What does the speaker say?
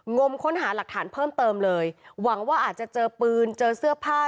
งมค้นหาหลักฐานเพิ่มเติมเลยหวังว่าอาจจะเจอปืนเจอเสื้อผ้า